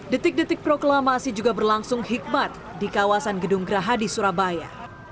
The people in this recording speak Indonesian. detik detik proklamasi juga berlangsung hikmat di kawasan gedung geraha di surabaya